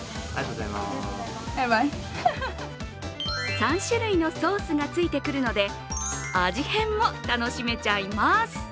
３種類のソースがついてくるので味変も楽しめちゃいます。